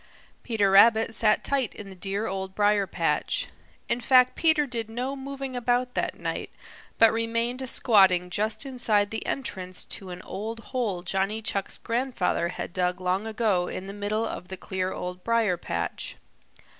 Peter Rabbit sat tight in the dear Old Briar patch. In fact Peter did no moving about that night, but remained squatting just inside the entrance to an old hole Johnny Chuck's grandfather had dug long ago in the middle of the clear Old Briar patch.